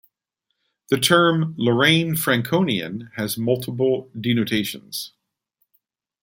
The term "Lorraine Franconian" has multiple denotations.